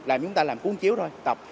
làm chúng ta làm cuốn chiếu thôi